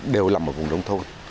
đều lầm ở vùng nông thôn